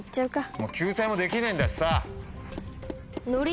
もう救済もできねえんだしさ。